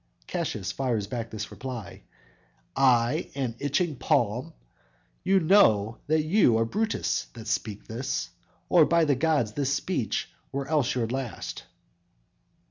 "_ Cassius fires back this reply: _"I an itching palm? You know that you are Brutus that speak this, Or by the gods this speech were else your last!"